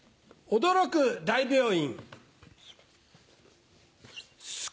驚く大病院。